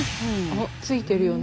あっついてるよね。